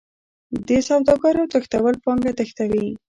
د سوداګرو تښتول پانګه تښتوي.